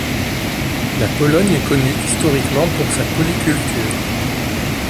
La Pologne est connue historiquement pour sa polyculture.